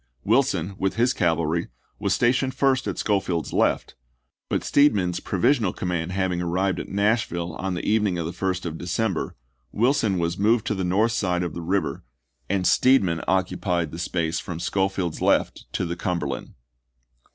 Wilson, with his cavalry, was stationed first at Schofield's left, but Steed man's provisional command having arrived at 1864. Nashville on the evening of the 1st of December Wilson was moved to the north side of the river and Steedman occupied the space from Schofield's left to the Cumberland.